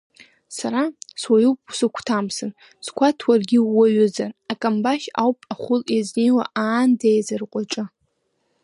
Сара, суаҩуп усыгәҭамсын, сгәаҭ уаргьы ууаҩызар, Акамбашь ауп ахәыл иазнеиуа аанда еизырҟәыҿы.